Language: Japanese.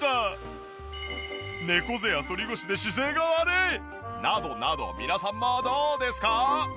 猫背や反り腰で姿勢が悪いなどなど皆さんもどうですか？